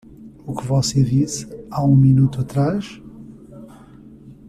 O que você disse há um minuto atrás?